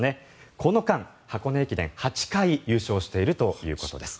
この間、箱根駅伝８回優勝しているということです。